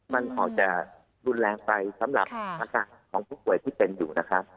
มันออกจะรุนแรงไปสำหรับอาการของผู้ป่วยที่เป็นอยู่นะครับ